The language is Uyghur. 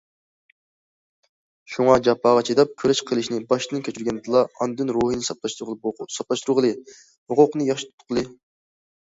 شۇڭا، جاپاغا چىداپ كۈرەش قىلىشنى باشتىن كەچۈرگەندىلا، ئاندىن روھنى ساپلاشتۇرغىلى، ھوقۇقنى ياخشى تۇتقىلى.